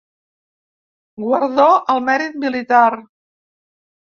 Guardó al Mèrit Militar.